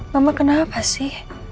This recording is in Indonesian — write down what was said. mama kenapa sih